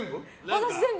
私、全部。